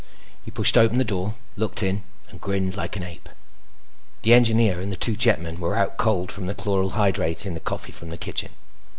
He pushed open the door, looked in, and grinned like an ape. The Engineer and the two jetmen were out cold from the chloral hydrate in the coffee from the kitchen.